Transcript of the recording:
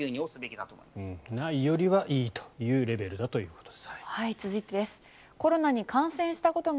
ないよりはいいレベルだということです。